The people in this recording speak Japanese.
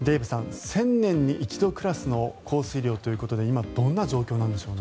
１０００年に一度クラスの降水量ということで今、どんな状況なんでしょうか。